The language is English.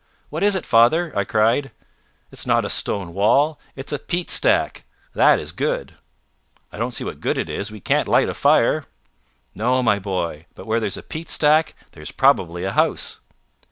"What is it, father?" I cried. "It's not a stone wall; it's a peat stack. That is good." "I don't see what good it is. We can't light a fire." "No, my boy; but where there's a peat stack, there's probably a house."